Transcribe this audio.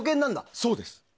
そうです。